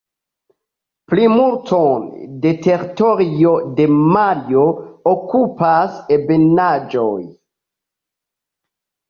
Plimulton de teritorio de Malio okupas ebenaĵoj.